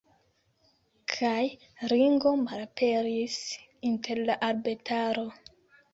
Kaj Ringo malaperis inter la arbetaro.